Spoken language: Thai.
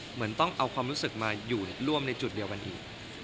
เหมือนต้องเอาความรู้สึกมาอยู่ร่วมในจุดเดียวกันอีก